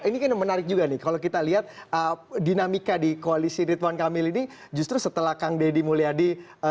ini kan menarik juga nih kalau kita lihat dinamika di koalisi ridwan kamil ini justru setelah kang deddy mulyadi